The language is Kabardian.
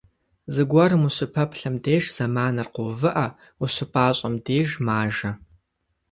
Зыгуэрым ущыпэплъэм деж зэманыр къоувыӏэ, ущыпӏащӏэм деж - мажэ.